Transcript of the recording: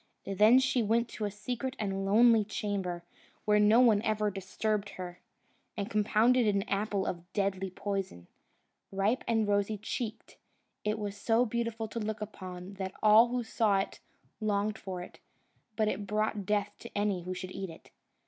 Then she went to a secret and lonely chamber, where no one ever disturbed her, and compounded an apple of deadly poison. Ripe and rosy cheeked, it was so beautiful to look upon, that all who saw it longed for it; but it brought death to any who should eat it.